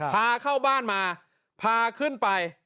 พาเข้าบ้านมาพาขึ้นไป